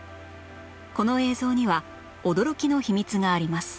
この映像には驚きの秘密があります